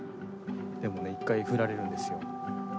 でもね一回フラれるんですよ。